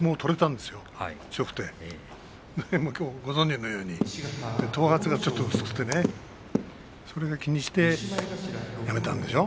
でもご存じのように頭髪が薄くてねそれを気にしてやめたんでしょう？